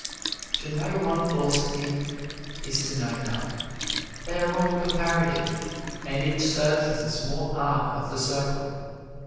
To know one philosophy is to know none. They are all comparative, and each serves as a small arc of the circle.